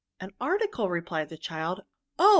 " An article/' replied the child. " Oh